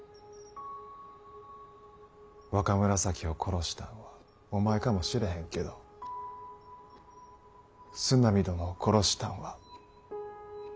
若紫を殺したんはお前かもしれへんけど角南殿を殺したんは私や。